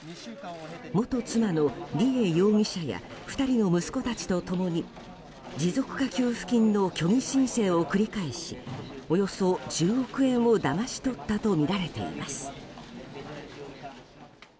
元妻の梨恵容疑者や２人の息子たちと共に持続化給付金の虚偽申請を繰り返しおよそ１０億円をだまし取ったとみられています。